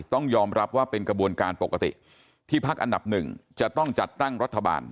ต้องยอมรับว่าเป็นกระบวนการปกติที่พักอันดับหนึ่งจะต้องจัดตั้งรัฐบาล